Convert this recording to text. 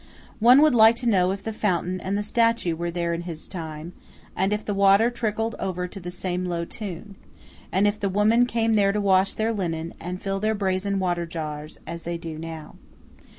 One would like to know if the fountain and the statue were there in his time; and if the water trickled ever to the same low tune; and if the women came there to wash their linen and fill their brazen water jars, as they do now.